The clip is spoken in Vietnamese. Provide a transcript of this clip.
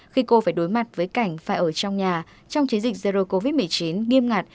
khi cô phải đối mặt với cảnh phải ở trong nhà trong chiến dịch zero covid một mươi chín nghiêm ngặt